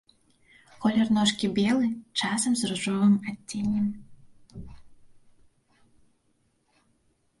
Колер ножкі белы, часам з ружовым адценнем.